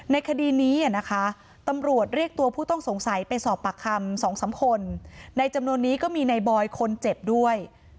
คดีนี้นะคะตำรวจเรียกตัวผู้ต้องสงสัยไปสอบปากคำ๒๓คนในจำนวนนี้ก็มีในบอยคนเจ็บด้วย